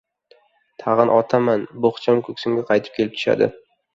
Tag‘in otaman — bo‘xcham ko‘ksimga qaytib kelib tushadi.